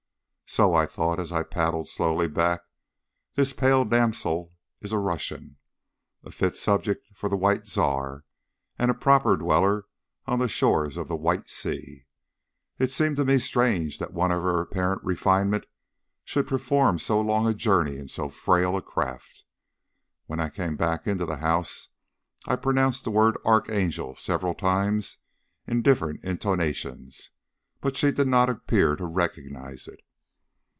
"So," I thought, as I paddled slowly back, "this pale damsel is a Russian. A fit subject for the White Czar and a proper dweller on the shores of the White Sea!" It seemed to me strange that one of her apparent refinement should perform so long a journey in so frail a craft. When I came back into the house, I pronounced the word "Archangel" several times in different intonations, but she did not appear to recognise it.